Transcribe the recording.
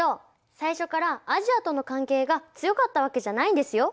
最初からアジアとの関係が強かったわけじゃないんですよ。